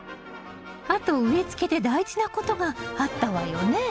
あと植え付けで大事なことがあったわよね。